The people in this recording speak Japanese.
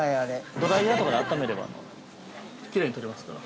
◆ドライヤーとかであっためればきれいに取れますから。